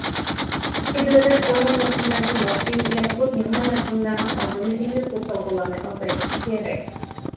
ئىككى دۆلەت كونا مەسىلىلەرگە ياخشى ئىگە بولۇپ، يېڭى مەسىلىلەرنىڭ ئالدىنى ئېلىپ، توسالغۇلارنى ئازايتىشى كېرەك.